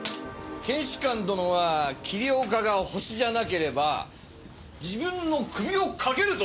検視官殿は桐岡がホシじゃなければ自分の首をかけるとおっしゃった！